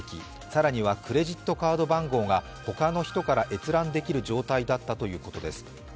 更にはクレジットカード番号が他の人から閲覧できる状態だったということです。